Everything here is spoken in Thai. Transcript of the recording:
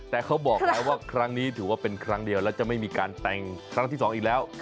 แต่เขาบอกแล้วว่าครั้งนี้ถือว่าเป็นครั้งเดียวแล้วจะไม่มีการแต่งครั้งที่สองอีกแล้ว